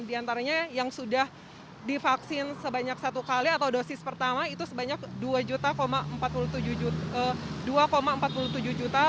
di antaranya yang sudah divaksin sebanyak satu kali atau dosis pertama itu sebanyak dua empat puluh tujuh juta